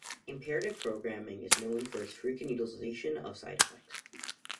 Imperative programming is known for its frequent utilization of side effects.